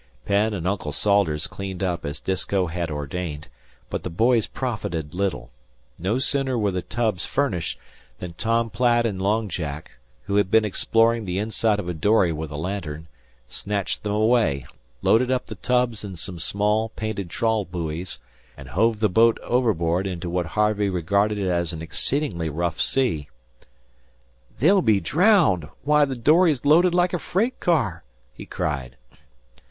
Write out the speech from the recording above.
Penn and Uncle Salters cleaned up as Disko had ordained, but the boys profited little. No sooner were the tubs furnished than Tom Platt and Long Jack, who had been exploring the inside of a dory with a lantern, snatched them away, loaded up the tubs and some small, painted trawl buoys, and hove the boat overboard into what Harvey regarded as an exceedingly rough sea. "They'll be drowned. Why, the dory's loaded like a freight car," he cried.